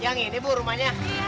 yang ini ibu rumahnya